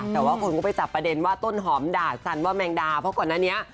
แต่ว่าคนก็ไปจับประเด็นว่าต้นหอมด่าสันว่าแมงดาเพราะก่อนหน้านี้